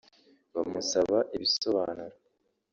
bamusaba ibisobanuro